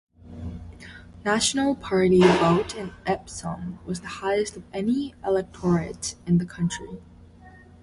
National's party vote in Epsom was the highest of any electorate in the country.